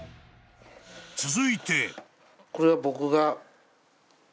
［続いて］